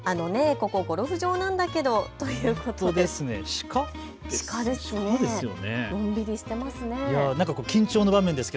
あのね、ここゴルフ場なんだけどということで鹿ですね。